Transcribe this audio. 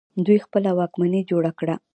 دوی خپله واکمني جوړه کړه